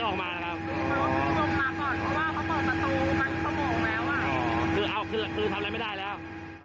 คืออ่ะคือทำอะไรไม่ได้แล้ว